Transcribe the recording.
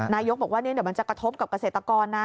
นายกบอกว่าเดี๋ยวมันจะกระทบกับเกษตรกรนะ